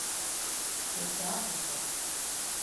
КъедаӀуэ-тӀэ.